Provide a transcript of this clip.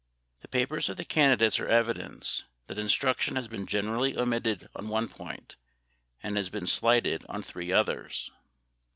The papers of the candidates are evidence that instruction has been generally omitted on one point, and has been slighted on three others.